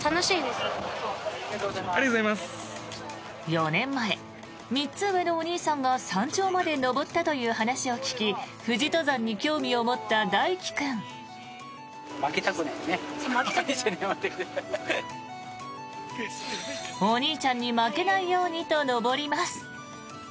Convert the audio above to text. ４年前、３つ上のお兄さんが山頂まで登ったという話を聞き富士登山に興味を持った大輝君お兄ちゃんに負けないようにと登ります。